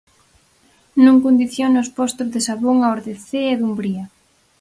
Non condicione os postos de Sabón aos de Cee e Dumbría.